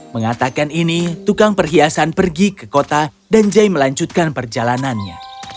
mengatakan ini tukang perhiasan pergi ke kota dan jay melanjutkan perjalanannya